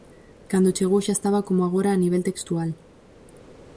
Cando chegou xa estaba como agora a nivel textual.